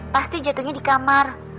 pasti jatuhnya di kamar